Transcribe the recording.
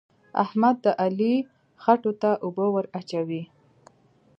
احمد د علي خوټو ته اوبه ور اچوي.